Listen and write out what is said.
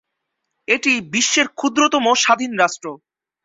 এটি বিশ্বের ক্ষুদ্রতম স্বাধীন রাষ্ট্র।